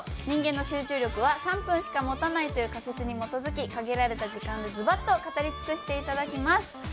人間の集中力は３分しか持たないという仮説に基づき限られた時間でズバッと語り尽くしていただきます。